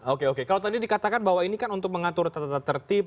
oke oke kalau tadi dikatakan bahwa ini kan untuk mengatur tata tertib